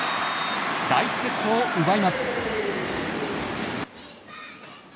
第１セットを奪います。